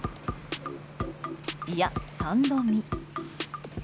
いや、三度見。